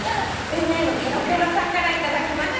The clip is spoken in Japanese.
ペンネームケロケロさんから頂きました。